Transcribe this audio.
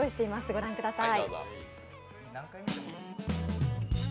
ご覧ください。